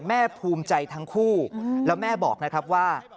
แม่ภูมิใจทั้งคู่แล้วแม่บอกนะครับว่า